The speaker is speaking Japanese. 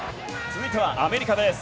続いてはアメリカです。